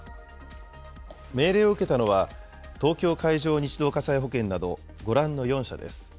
命令を受けたのは、東京海上日動火災保険などご覧の４社です。